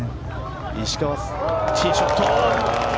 石川、ティーショット。